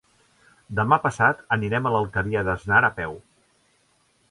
Demà passat anirem a l'Alqueria d'Asnar a peu.